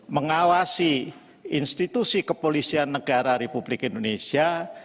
mengawasi institusi kepolisian negara republik indonesia